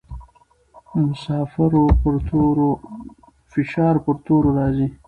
فشار پر تورو راځي.